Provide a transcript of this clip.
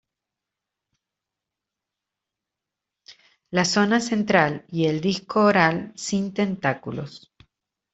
La zona central y el disco oral sin tentáculos.